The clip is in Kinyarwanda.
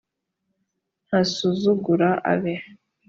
ntasuzugura abe